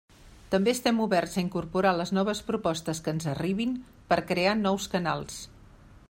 També estem oberts a incorporar les noves propostes que ens arribin per crear nous canals.